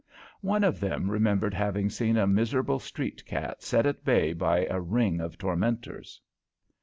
One of them remembered having seen a miserable street cat set at bay by a ring of tormentors.